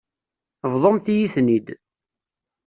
Bḍumt-iyi-ten-id.